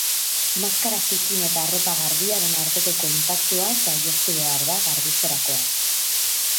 Maskara zikin eta arropa garbiaren arteko kontaktua saihestu behar da garbitzerakoan.